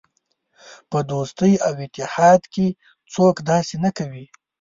په دوستۍ او اتحاد کې څوک داسې نه کوي.